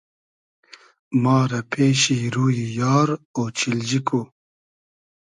ما رۂ پېشی روی یار اۉچیلجی کو